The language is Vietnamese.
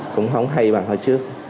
cũng không hay bằng hồi trước